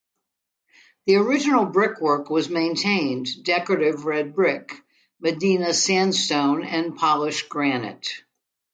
The original brickwork was maintained: decorative red brick, Medina sandstone, and polished granite.